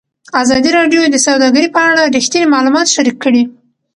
ازادي راډیو د سوداګري په اړه رښتیني معلومات شریک کړي.